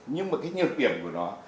nhưng mà cái nhiệm kiểm của nó